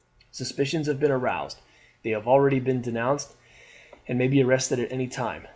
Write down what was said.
Suspicions have been aroused; they have already been denounced, and may be arrested at any time.